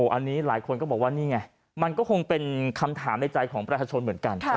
อันนี้หลายคนก็บอกว่านี่ไงมันก็คงเป็นคำถามในใจของประชาชนเหมือนกัน